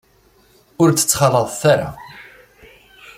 Ur tt-ttxalaḍet ara.